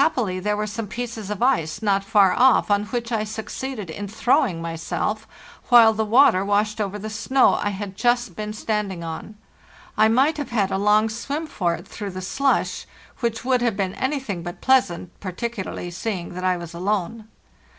Happily there were some pieces of ice not far off on which I succeeded in throwing myself, while the water washed over the snow I had just been standing on. I might have had a long swim for it through the slush, which would have been anything but pleasant, particularly seeing that I was alone.